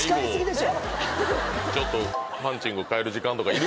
ちょっと。